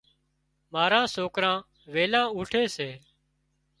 ماران سوڪران ويلان اُوٺي سي۔